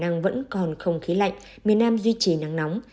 nhiệt độ khả năng vẫn còn không khí lạnh miền nam duy trì nắng nóng